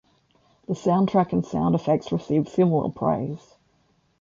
The soundtrack and sound effects received similar praise.